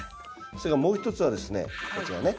それからもう一つはですねこちらね。